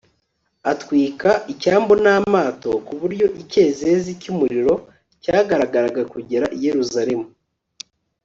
atwika icyambu n'amato, ku buryo icyezezi cy'umuriro cyagaragaraga kugera i yeruzalemu